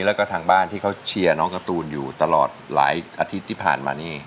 แล้วก็ทางบ้านที่เขาเชียร์น้องการ์ตูนอยู่ตลอดหลายอาทิตย์ที่ผ่านมานี่